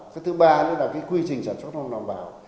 cái thứ ba nữa là cái quy trình sản xuất không đảm bảo